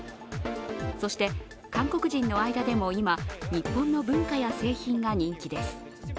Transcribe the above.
そして、韓国人の間でも今日本の文化や製品が人気です。